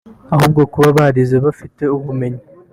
ahubwo kuba barize bafite ubumenyi